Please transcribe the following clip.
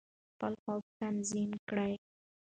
خپل خوب تنظیم کړئ.